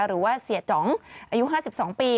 หรือว่าเสียจ๋องอายุ๕๒ปี